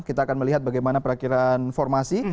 kita akan melihat bagaimana perakhiran formasi